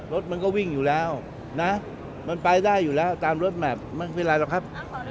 รถมันก็วิ่งอยู่แล้วนะมันไปได้อยู่แล้วตามรถแมพไม่เป็นไรหรอกครับ